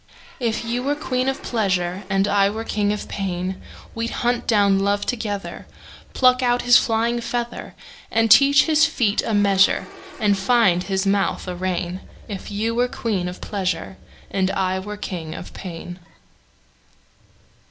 If you were queen of pleasure, And I were king of pain, We'd hunt down love together, Pluck out his flying feather, And teach his feet a measure, And find his mouth a rein; If you were queen of pleasure. And I were king of pain.